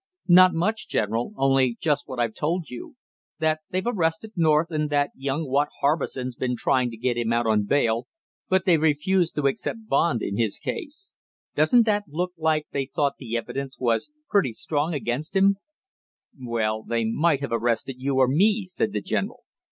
"Not much, General, only just what I've told you that they've arrested North, and that young Watt Harbison's been trying to get him out on bail, but they've refused to accept bond in his case. Don't that look like they thought the evidence was pretty strong against him " "Well, they, might have arrested you or me," said the general.